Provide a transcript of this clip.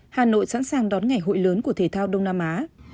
hà nội sẵn sàng đón ngày hội lớn của thể thao đông nam á